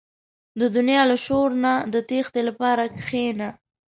• د دنیا له شور نه د تیښتې لپاره کښېنه.